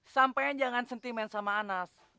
sampean jangan sentimen sama anas